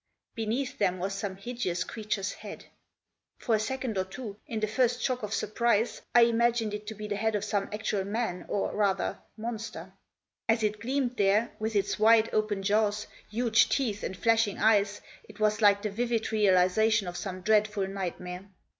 Beneath them was some hideous creature's head. For a second or two, in the first shock of surprise, I imagined it to be the head of some actual man, or, rather, monster. As it gleamed there, with its wide open jaws, huge teeth and flashing eyes, it was like the Digitized by ONE WAY IN. 95 vivid realisation of some dreadful nightmare.